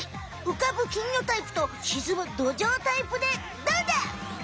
浮かぶ金魚タイプと沈むドジョウタイプでどうだ！